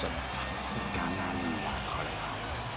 さすがなんだ、これは。